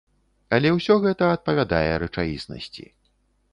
Але ўсё гэта адпавядае рэчаіснасці.